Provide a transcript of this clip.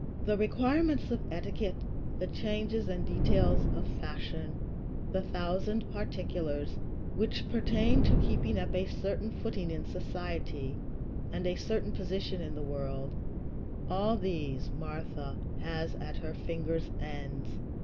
The requirements of etiquette, the changes and details of fashion, the thousand particulars which pertain to keeping up a certain footing in society and a certain position in the world all these Martha has at her fingers' ends.